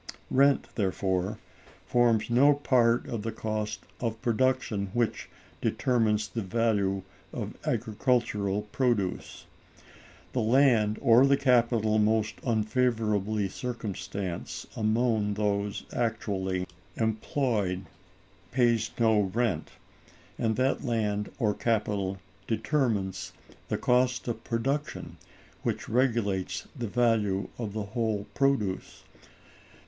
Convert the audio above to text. Rent, therefore, forms no part of the cost of production which determines the value of agricultural produce. The land or the capital most unfavorably circumstanced among those actually employed, pays no rent, and that land or capital determines the cost of production which regulates the value of the whole produce.